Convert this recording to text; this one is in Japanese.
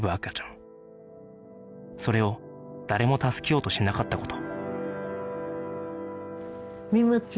それを誰も助けようとしなかった事